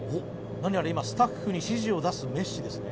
何やら今スタッフに指示を出すメッシですね